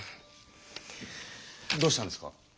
どうしたんですか？